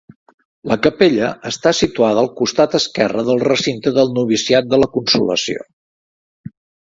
La capella està situada al costat esquerre del recinte del noviciat de la Consolació.